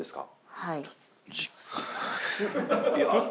はい。